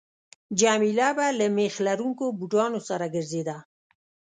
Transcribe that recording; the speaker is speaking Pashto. جميله به له میخ لرونکو بوټانو سره ګرځېده.